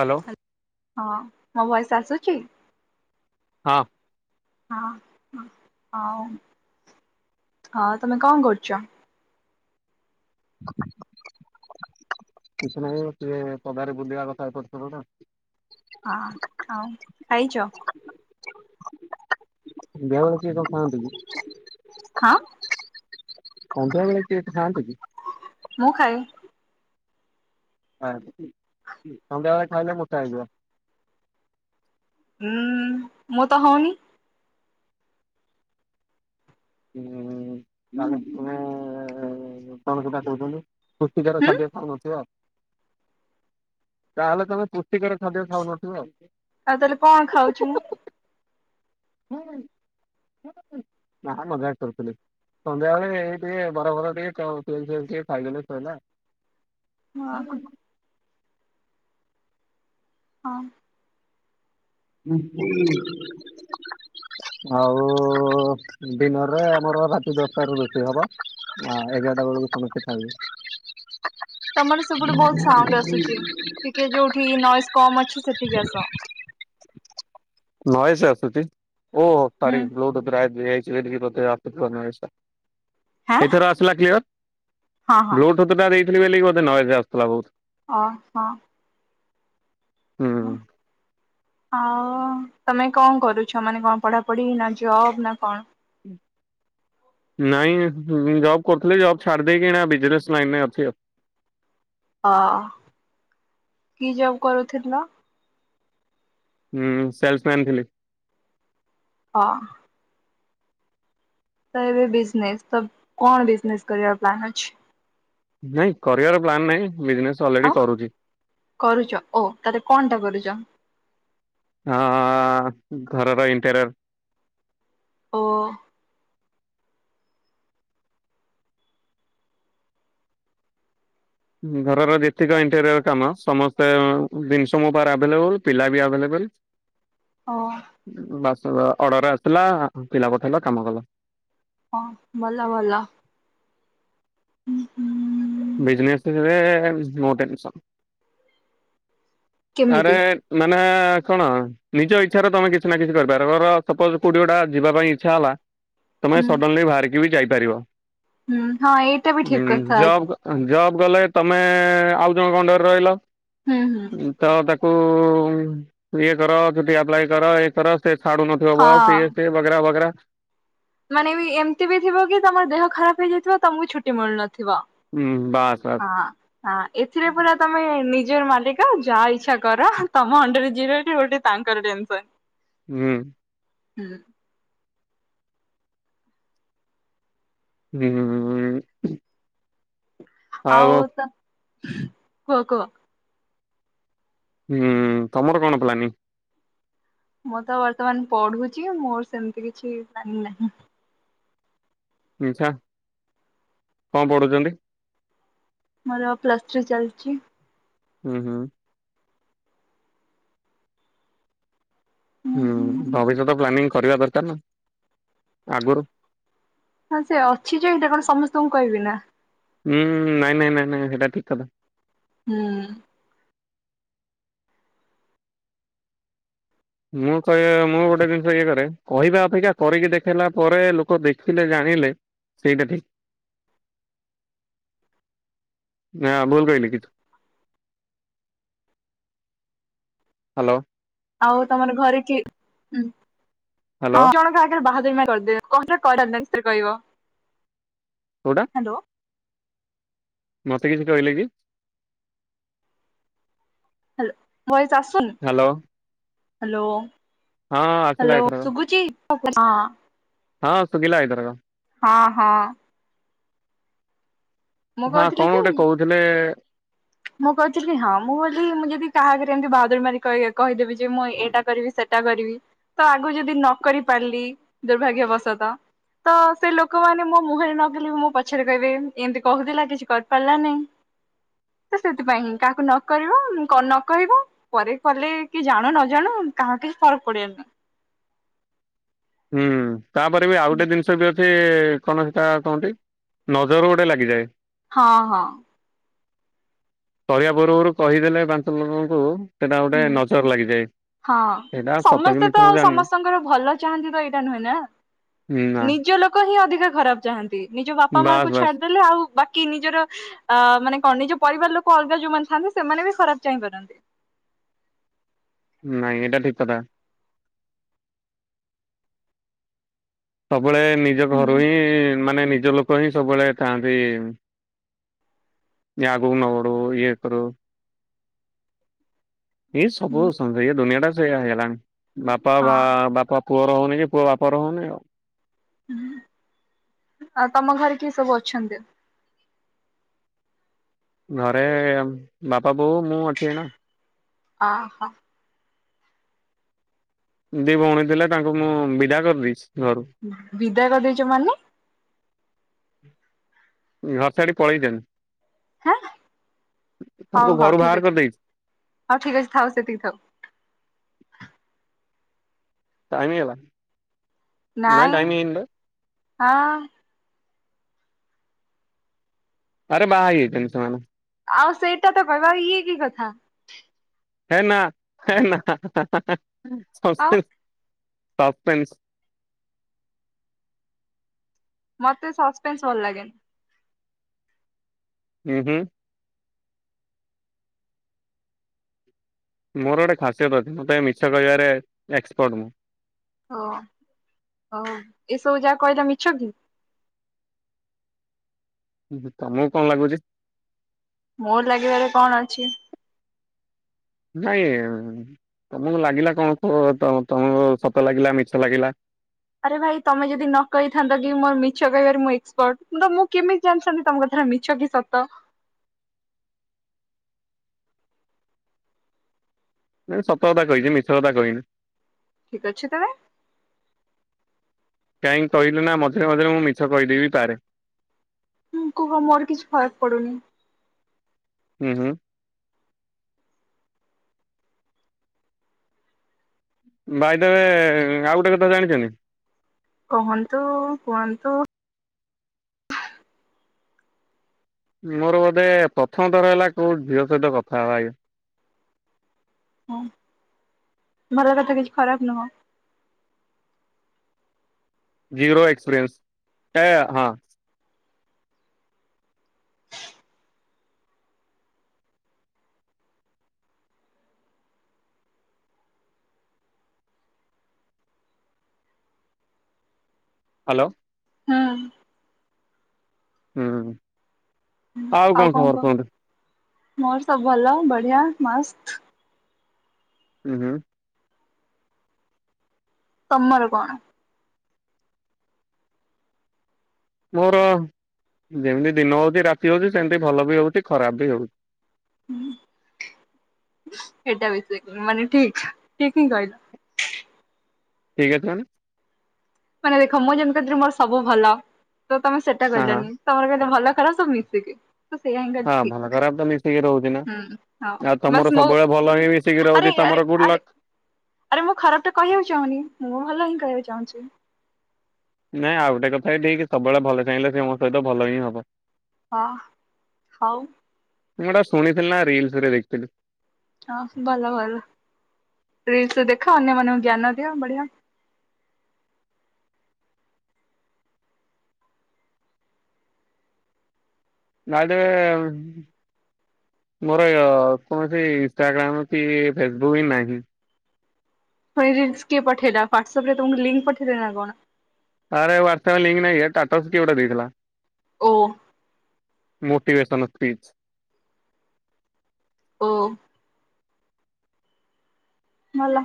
Hello ହଁ ମୋ voice ଆସୁଛି? ହଁ। ହଁ ହଁ ହଉ। ହଁ ତମେ କଣ କରୁଛ? ହ [inaudible] କିଛି ନାହିଁ ସିଏ ପଦାରେ ବୁଲିବା କଥା [unintelligible] ହେଇପାରୁଥ ନା [unintelligible] ହଁ ହଉ ଖାଇଛ? [unintelligible] ବହା ବେଳେ କିଏ କଣ ଖାଆନ୍ତି କି? ହଁ ସନ୍ଧ୍ୟା ବେଳେ କିଏ ଖାଆନ୍ତି କି? ମୁଁ ଖାଏ ଆ ସଧ୍ୟାବେଳେ ଖାଇଲେ ମୋଟା ହୋଇ ଯିବ । ହୁଁ ମୁଁ ତ ହଉନି। [unintelligible] ତମେ କଣ ସଧ କହୁଛନ୍ତି [unintelligible] ପୃଷ୍ଟିକର ହୁଁ ଖାଦ୍ୟ ଖାଉନଥିବ। ତାହେଲେ ତମେ ପୁଷ୍ଟିକର ଖାଦ୍ୟ ଖାଉନଥିବ ଆଉ? ଆଉ ତାହେଲେ କଣ ଖାଉଛି ମୁଁ [unintelligible] ନା ନା ମଜାକ୍ କରୁଥିଲି। ସନ୍ଧ୍ୟାବେଳେ ଏଇ ଟିକେ ବରା ବରା ଟିକେ [unintelligible] ଖାଇ ଦେଲେ ସରିଲା। ହଁ। ହଁ। ହୁଁ। ଆଉ ଡିନରରେ ଆମର ରାତି ଦଶଟ ରୁ ବେଶୀ ହବ ଏଗାରଟା ବେଳକୁ [unintelligible] ଣ କେଥା ତମର ସେପଟୁ ବହୁତ ସାଉଣ୍ଡ ଆସୁଛି। ଟିକେ ଯୋଉଠି ନଏଜ କମ୍ ଅଛି ସେଠିକି ଆସ ନଏଜ୍ ସେ ଆସୁଛି ଓହୋ ସାରି ହୁଁ [unintelligible] ଲୋଡାୟ [unintelligible] [unintelligible] ଏଇଥର ହାଁ ଆସିଲା କ୍ଲିଅର୍? ହଁ ହଁ ବ୍ଲୁଟୁଥ ଟା ଦେଇଥିଲି ବି ବୋଧେ ନଏଜ୍ ଆସୁଥିଲା ବହୁତ। ଓ ହଁ। ହୁଁ ହଁ। ଆଉ ତମେ କଣ କରୁଛ ମାନେ କଣ ପଢାପଢି ନା ଜବ ନା କଣ? ହୁଁ [inaudible] ନାଇଁ ଯବ୍ କରୁଥିଲି ଯବ୍ ଛାଡି ଦେଇକି ଏଣେ ବିିଜନେସ୍ ଲାଇନରେ ଅଛି। ଅ କି ଜବ୍ କରୁଥିଲ? ହୁଁ ସେଲସ୍ ମ୍ୟାନ ଥିଲି। ହଁ। ତ ଏବେ ବିିଜନେସ୍ ତ କଣ ବିିଜନେସ୍ କରିୟାର ପ୍ଲାନ୍ ଅଛି? ନାଇଁ କରିବାର ପ୍ଲାନ୍ ନାଇଁ ଅ କରୁଛ ଓ ତାଲେ କଣ ଟା କରୁଛ? ହଁ ଘରର ଇଣ୍ଟୋରିୟର ଓ। ଘରର ଯେତିକ ଇଣ୍ଟେରିୟର କାମ ସମସ୍ତେ ଜିନିଷ ମୋ ଉପ ଆଭେଲେବୁଲ ପିଲା ବି ଆଭେଲେବୁଲ। ହଲ [unintelligible] ହଁ। ଅର୍ଡର ଆସଥିଲା ପିଲା ପଠେଇଲ କାମ କଲ। ହଁ ଭଲ ଭଲ। ହୁଁ ହୁଁ। ବିଜିନେସରେ ନୋ ଟେନ୍ସନ୍। ଆରେ କେମିତି? ମାନେ ମାନେ କଣ ନିଜ ଇଚ୍ଛାରେ ତୁମେ କିଛି ନା କିଛି କରିପାର, ମୋର ସପୋଜ୍ କୋଉଠି ଗୋଟା ଯିବା ପାଇଁ ଇଚ୍ଛା ହେଲା ତୁମେ ହୁଁ ସଡନଲି ବାହାରିକି ବି ଯାଇପାରିବ। ହୁଁ ହଁ ଏଇଟା ବି ଠିକ ହୁଁ କଥା ଯବ୍ ଯବ୍ କଲେ ତମେ ଆଉ ଜଣଙ୍କ ଅଣ୍ଡରରେ ରହିଲ। ହୁଁ ହୁଁ। ତ ତାକୁ ଇଏ କର, ଛୁଟି ଆପ୍ଲାଏ କର, ଇଏ କର ସେ ଛାଡୁ ନଥିବ ବସ ହଁ। ଇଏ ସିଏ ବଗେରା ବଗେରା ମାନେ ବି ଏମିତି ବି ଥିବ କି ତମ ଦେହ ଖରାପ ହେଇଯାଇଥିବ ତମକୁ ଛୁଟି ମିଳୁନଥିବ। ହୁଁ ବାସ୍ ବାସ୍ ଥିବ ହଁ ହଁ ଏଥିରେ ପୁରା ତମେ ନି ଜର ମାଲିକ ଯାହା ଇଛା କର, ତମ ଅଣ୍ଡରରେ ଯିଏ ରହିଲେ ଓଲଟା ତାଙ୍କର ଟେନସନ। ହୁଁ। ହୁଁ। ହୁଁ। ଆଉ ତ କୁହ କୁହ। ହୁଁ ତମର କଣ ପ୍ଲାନିଙ୍ଗ? ମୁଁ ତ ବର୍ତ୍ତମାନ ପଢୁଛି ମୋର ସେମିତି କିଛି ପ୍ଲାନିଙ୍ଗ ନାହିଁ। ଆଛା କଣ ପଢ଼ୁଛନ୍ତି? ମୋର ପ୍ଲସ୍ ଥ୍ରୀ ଚାଲିଛି। ହୁଁ ହୁଁ। ହୁଁ ଭବିଷ୍ୟତ ପ୍ଲାନିଂ କରିବା ଦରକାର ନା ଆଗରୁ। ହଁ ସେ ଅଛି ଯେ ଏଟା କଣ ସମସ୍ତଙ୍କୁ କହିବି ନା। ହୁଁ ନାଇଁ ନାଇଁ ନାଇଁ ନାଇଁ ସେଇଟା ଠିକ କଥା। ହୁଁ। ମୁଁ କହେ ମୁଁ ଗୋଟେ ଜିନିଷ ଇଏ କରେ କହିବା ଅପେକ୍ଷା କରିକି ଦେଖେଇଲା ପରେ ଲୋକ ଦେଖିଲେ ଜାଣି ଇଲେ ସେଇଟା ଠିକ୍। ନାଁ ଭୁଲ୍ କହିଲି କି? ହାଲୋ। ଆଉ ତମର ଘରେ କିଏ, ହୁଁ ହଁ ହ୍ୟାଲୋ ଜଣଙ୍କ ଆଗରେ ବା [inaudible] କହିବ, ହାଲୋ। ମୋତେ କିିଛି କହିଲେ କି? ହାଲୋ ଭଏସ ଆସୁନି, ହ୍ୟାଲୋ ହାଲୋ। ହଁ ଆସିଲା ହ୍ୟାଲୋ ଏଥରକ ସୁଗୁଚି ମୋ ଭଏସ, ହଁ ହଁ। ହଁ ସୁଗିଲା ଏଥରକ। ହଁ ହଁ। ମୁଁ ହଁ କହୁଥିଲି କଣ କି ଗୋଟେ କହୁଥିଲେ? ମୁଁ କହୁଥିଲି ହଁ ମୁଁ ବୋଲି ମୁଁ ଯଦି କାହାଘରେ ଏମିତି ବାହାଦୁରୀ ମାରି କହି -କହିଦେବି ଯେ ମୁଁ ଏଇଟା କରିବି ସେ ଟା କରିବି ତ ଆଗକୁ ଯଦି ନ କରି ପାରିଲି ଦୁର୍ଭାଗ୍ୟବଶତଃ। ତ ସେ ଲୋକମାନେ ମୋ ମୁହଁରେ ନକହିଲେ ମୋ ପଛରେ କହିବେ, ଏମିତି କହୁଥିଲା କିଛି କରିପାରିଲାନି। ତ ସେଥିପାଇଁ ହିଁ କାହାକୁ ନ କରିବ, ନ କହିବ, ପରେ କଲେ କିଏ ଜାଣୁ ନ ଜାଣୁ କାହା ହଁ କିଛି ଫରଗ ପଡ଼ିବାର ନାହିଁ। ହୁଁ ତାପରେ ବି ଆଉ ଗୋଟେ ଜିନିଷ ବି ଅ ସେ କଣ ସେଟା କହନ୍ତି, ନଜର ଗୋଟେ ଲାଗିଯାଏ। ହଁ ହଁ। କରିବା ପୂର୍ବରୁ କହିଦେଲେ ପାଞ୍ଚ ଲୋକଙ୍କୁ ସେଟା ଗୋଟେ ନଜର ଲାଗିଯାଏ, ହଁ। ସେଇଟା ସତ କି ସମସ୍ତେ ତ ମିଛ ମୁଁ ଜାଣିନି। ସମସ୍ତଙ୍କର ଭଲ ଚାହାନ୍ତି ତ ଏଇଟା ନୁହେଁ ନା, ନା ନିଜ ଲୋକ ହିଁ ଅଧିକା ଖରାପ ଚାହାନ୍ତି। ନିଜ ବାପା ବାସ୍ ମାଆଙ୍କୁ ବାସ୍ ଛାଡିଦେଲେ ଆଉ ବା କି ନିଜର ଅ ମାନେ କଣ ନିଜ ପରିବାର ଲୋକ ଅଲଗା ଯୋଉମାନେ ଥାନ୍ତି ସେମାନେ ବି ଖରାପ ଚାହିଁପାରନ୍ତି। ନାଇଁ ଏଟା ଠିକ କଥା। ସବୁବେଳେ ନିଜ ହୁଁ ଘରୁ ହିଁ ମାନେ ନିଜ ଲୋକ ହିଁ ସବୁବେଳେ ଥାଆନ୍ତି ଯେ ଆଗକୁ ନ ବଢୁ ଇଏ କରୁ ଇଏ ସବୁ ସନ୍-ଏ ଦୁନିଆଟା ସେଇଆ ହେଇଗଲାଣି ବାପା ହଁ ଭା-ବାପା ପୁଅର ହୋଉନି କି ପୁଅ ବାପର ହୋଉନି ଆଉ। ଉଁ ଆଉ ତମ ଘରେ କିଏ ସବୁ ଅଛନ୍ତି? ଘରେ ବାପା ବୋଉ ମୁଁ ଅଛି ଏଇନା। ଅହ। ଦି ଭୋଉଣୀ ଥିଲେ ତାଙ୍କୁ ମୁଁ ବିଦା କରିଦେଇଚି। ବିଦା କରିଦେଇଚ ମାନେ? ଘରଛାଡି ପଳେଇଚନ୍ତି। ହାଁ। ତାଙ୍କୁ ହଉ ଘରୁ ହଉ ବାହାର ଠିକ ଅଛି କରିଦେଇଛି ହଉ ଠିକ ଅଛି ଥାଉ ସେତିକି ଥାଉ। ଟାଇମ ହେଇଗଲା ନାଇଁ ଟାଇମ ହେଇନି ତ। ହଁ। ଆରେ ବାହା ହେଇଯାଇଟନ୍ତି ସେମାନେ। ଆଉ ସେଇଟା ତ କହିବ ଆଉ ଇଏ କି କଥା? ହେ ନା ହେ ନା ହାଁ ହାଁ ହାଁ ହାଁ ହାଁ ଆଉ ସନସକିଲ୍ ସସପେନସ୍ ମତେ ସସପେନସ୍ ଭଲ ଲାଗେନି। ଉଁ ହୁଁ। ମୋର ଗୋଟେ ଖାସିୟତ ଅଛି ମତେ ମିଛ କହିବାରେ ଏକ୍ସପର୍ଟ ମୁଁ। ହଁ ଆଉ ଏସବୁ ଯାହା କହିଲ ମିଛ କି? ତମକୁ କଣ ଲାଗୁଚି? ମୋର ଲାଗିବାରେ କଣ ଅଛି? ନାଇଁ ତମକୁ ଲାଗିଲା କଣ କୁହ ତମ-ତମକୁ ସତ ଲାଗିଲା ମିଛ ଲାଗିଲା? ଆରେ ଭାଇ ତମେ ଯଦି ନ କହିଥାନ୍ତ କି ମୋର ମିଛ କହିବାରେ ମୁଁ ଏକ୍ସପର୍ଟ ତ ମୁଁ କେମିତି ଜାଣିଥାନ୍ତି ତମ କଥା। ଏରା ମିଛ କି ସତ ନାଇଁ ସତ କଥା କହିଚି ମିଛ କଥା କହିନି। ଠିକ ଅଛି ତେବେ। କାହିଁକି କହିଲି ନା ମଝିରେ ମଝିରେ ମୁଁ ମିଛ କହିଦେଇବି ପାରେ। ହୁଁ କୁହ ମୋର କିଛି ଫରକ୍ ପଡୁନି। ଉଁ ହୁଁ। ବାଇଦୱେ ଆଉ ଗୋଟେ କଥା ଜାଣିଚନ୍ତି? କୁହନ୍ତୁ କୁହନ୍ତୁ। ମୋର ବୋଧେ ପ୍ରଥମ ଥର ହେଲା କୋଉ‌ ଝିଅ ସହିତ କଥା ହବା ଇଏ। ହୁଁ ଭଭ କଥା କିଛି ଖରାପ ନୁହଁ। ଜିରୋ ଏକ୍ସପେରିଏନ୍ସ ଟାଏ ହଁ। ହାଲୋ? ହଁ। ହୁଁ ଆଉ କଣ ଖବର କୁହନ୍ତୁ? ମୋର ସବୁ ଭଲ ବଢିଆ ମସ୍ତ୍। ଉଁ ହୁଁ। ତମର କଣ? ମୋର ଯେମିତି ଦିନ ହୋଉଚି ରାତି ହୋଉଚି ସେମିତି ଭଲ ବି ହୋଉଚି ଖରାପ ବି ହୋଉ ଉଁ। ସେଇଟା ବି ତିକ୍-ମାନେ ଠିକ୍ ଠିକ୍ ହିଁ କହିଲ। ଠିକଅଛି ମାନେ? ମାନେ ଦେଖ ମୁଁ ଯେମିତି ଥିଲି ମୋର ସବୁ ଭଲ ତ ତମେ ସେଇଟା ହଁ କହିଲନି ତମର କେତେ ଭଲ ଖରାପ ସବୁ ମିଶିକି। ତ ସେଇୟା ହିଁ ହଁ କହିଲି ଠିକ ଭଲ ଖରାପ ତ ମିଶିକି ରହୁଛି ନା ହୁଁ ହଁ ଆଉ ବାସ୍ ତମର ମୋ ସବୁବେଳେ ଭଲ ହିଁ ମିଶିକି ଆରେ ରହୁଛି ତମ ଆରେ ତମର ଗୁଡ଼ ଆରେ ଲକ୍। ଆରେ ମୁଁ ଖରାପ ତ କହିବାକୁ ଚାହୁଁନି। ମୁଁ ଭଲ ହିଁ କହିବାକୁ ଚାହୁଁଛି। ନାଇଁ ଆଉ ଗୋଟେ କଥା ଠିକ ସବୁବେଳେ ଭଲ ଚାହିଁଲେ ସେ ମାନଙ୍କ ସହିତ ଭଲ ହିଁ ହବ। ହଁ ହୋଉ। ମୁଁ ଟା ଶୁଣିଥିଲି ନା ରିଲସ ରେ ଦେଖଥିଲି। ହଁ ଭଲ ଭଲ ରିଲସ ଦେଖ ଅନ୍ୟ ମାନଙ୍କୁ ଜ୍ଞାନ ଦିଅ ବଢ଼ିଆ। ବାଇଦ ୱେ ମୋର କୌଣସି ଇଷ୍ଟାଗ୍ରାମ କି ଫେସବୁକ୍ ବି ନାହିଁ। ରିଲସ କିଏ ପଠେଇଲା ହ୍ୱାଟସଅପ ରେ ତମକୁ ଲିଙ୍କ ପଠେଇଲେ ନାଁ କଣ? ଆରେ ହ୍ୱାଟ୍ସଆପ୍ ଲିଙ୍କ ନାହିଁ ଟାଟସ୍ କିଏ ଗୋଟେ ଦେଇଥିଲା। ଓ। Motivation please. ଓ। ଭଲ।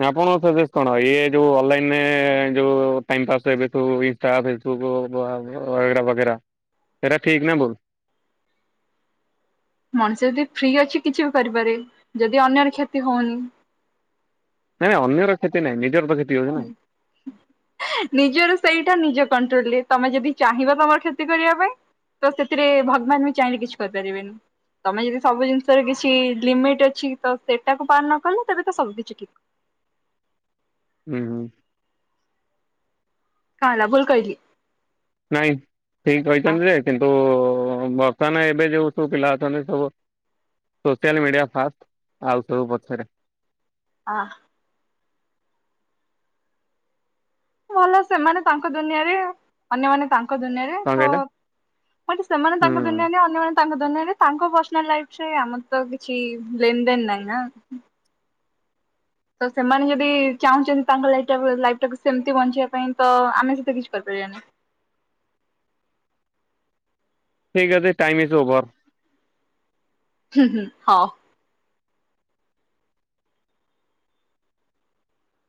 ନା ଆପଣଙ୍କ ସେ କଣ ଇଏ ଯୋଉଁ ଅନଲାଇନ ଯୋଉଁ ଟାଇମ ପାସ୍ ଏବେ ସୁ ଇନଷ୍ଟାଗ ହେ [unintelligible] ଠିକ ନା ଭୁଲ। ମଣିଷ ଯଦି ଫ୍ରି ଅଛି। କିଛି ବି କରିପାରେ ଯଦି ଅନ୍ୟର କ୍ଷତି ହଉନି। ନାଇଁ ଅନ୍ୟର କ୍ଷତି ନାଇଁ ନିଜ ନିଜର ସେଇଟା ନିଜ କଣ୍ଟ୍ରୋଲରେ ତମେ ଯଦି ଚାହିଁବ ତମର କ୍ଷତି କରିବା ପାଇଁ ତ ସେଥିରେ ଭଗବାନ ବି ଚାହିଁଲେ କିଛି କରିପାରିବେନି। ତମେ ଯଦି ସବୁ ଜିନିଷର କିଛି ଲିମିଟ ଅଛି ତ ସେଟାକୁ ପାର ନ କଲ ତେବେ ତ ସବୁ କିଛି ଠିକ୍। ହୁଁ ହୁଁ। କଣ ହେଲା ଭୁଲ କହିଲି। ନାଇଁ ଠିକ ଆ କହିଛନ୍ତି ଯେ କିନ୍ତୁ ହଁ ବର୍ତ୍ତମାନ ଏବେ ଯେଉଁ ସବୁ ପିଲା ଅଛନ୍ତି ସବୁ ସୋସିଆଲ ମିଡିଆ ଫାଷ୍ଟ ଆଉ ସବୁ ପଛରେ। ଆଁ। ଭଲ ସେମାନେ ତାଙ୍କ ଦୁନିଆରେ ଅନ୍ୟମାନେ ତାଙ୍କ ତା ଦୁନିଆରେ କଣ କହିଲେ ତ ସେମାନେ ହୁଁ ତାଙ୍କ ଦୁନିଆରେ ଅନ୍ୟମାନେ ତା ଦୁନିଆଁ ତାଙ୍କ ପର୍ସନାଲ ଲାଇଫ ସହ ଆମର ତ କିଛି ଲେନଦେନ ନାହିଁନା। ତ ସେମାନେ ଯଦି ଚାହୁଁଛନ୍ତି ତାଙ୍କ ଲାଇ ଲାଇଫ ଟାକୁ ସେମିତି ବଞ୍ଚିବା ପାଇଁ ତ ଆମେ ସେତିରେ କିଛି କରିପାରିବାନି। [unintelligible] ଠିକ୍ ଅଛି ଟାଇମ ସ୍ ଓଭର। ହୁଁ ହୁଁ ହଁ।